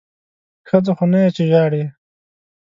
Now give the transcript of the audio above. ښځه خو نه یې چې ژاړې!